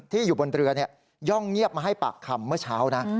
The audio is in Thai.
อยู่บนเรือย่องเงียบมาให้ปากคำเมื่อเช้านะ